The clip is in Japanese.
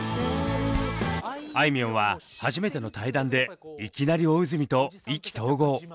あいみょんは初めての対談でいきなり大泉と意気投合！